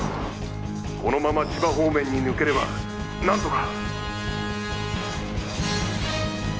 このまま千葉方面に抜ければ何とか。